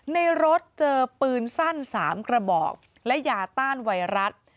ในรถเจอปืนสั้น๓กระบอกและยาต้านไวรัส